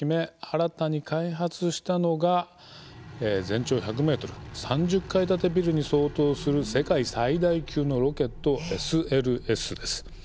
新たに開発したのが全長１００ｍ３０階建てビルに相当する世界最大級のロケット「ＳＬＳ」です。